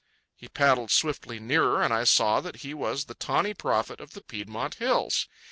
He paddled swiftly nearer, and I saw that he was the tawny prophet of the Piedmont hills.